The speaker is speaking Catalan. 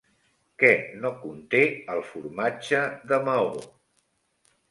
Què no conté el formatge de Maó?